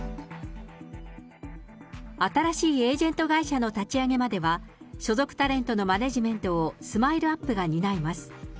新しいエージェント会社の立ち上げまでは、所属タレントのマネジメントをＳＭＩＬＥーＵＰ．が担います。